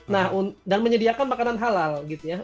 nah dan menyediakan makanan halal gitu ya